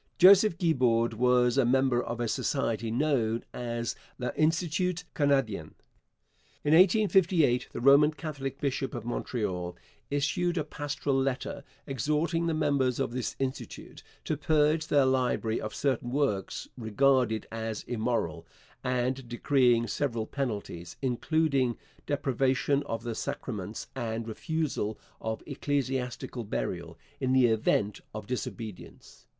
Joseph Guibord was a member of a society known as L'Institut Canadien. In 1858 the Roman Catholic bishop of Montreal issued a pastoral letter exhorting the members of this institute to purge their library of certain works regarded as immoral, and decreeing several penalties, including deprivation of the sacraments and refusal of ecclesiastical burial, in the event of disobedience.